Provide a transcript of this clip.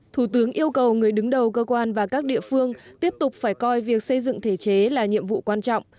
thủ tướng yêu cầu người đứng đầu cơ quan và các địa phương tiếp tục phải coi việc xây dựng thể chế là nhiệm vụ quan trọng